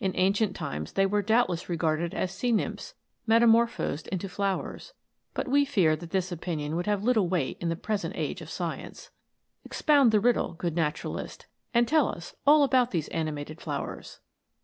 In ancient times they were doubt less regarded as sea nymphs metamorphosed into flowers ; but we fear that this opinion would have little weight in the present age of science. Expound the riddle, good naturalist, and tell us all about these animated flowers